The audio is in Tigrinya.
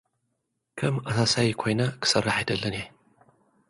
ከም ኣሳሳዩ ኮይነ ክሰርሕ ኣይደልን እየ።